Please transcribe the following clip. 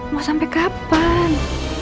mau sampai kapan